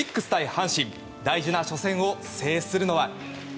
阪神大事な初戦を制するのは。